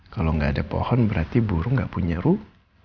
kalau gak ada pohon berarti burung gak punya rumah